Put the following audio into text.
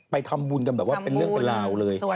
ไปทำบุญกันแบบว่าเป็นเรื่องเป็นราวเลย